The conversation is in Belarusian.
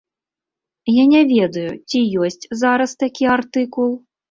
Я не ведаю, ці ёсць зараз такі артыкул.